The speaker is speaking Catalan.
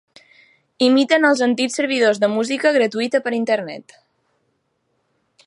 Imiten els antics servidors de música gratuïta per Internet.